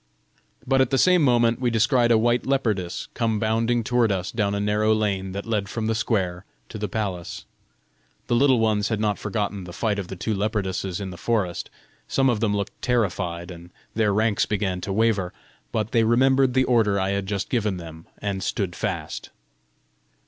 But at the same moment we descried a white leopardess come bounding toward us down a narrow lane that led from the square to the palace. The Little Ones had not forgotten the fight of the two leopardesses in the forest: some of them looked terrified, and their ranks began to waver; but they remembered the order I had just given them, and stood fast.